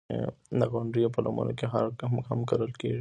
د غونډیو په لمنو کې هم کرل کېږي.